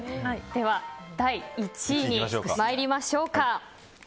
では、第１位に参りましょうか。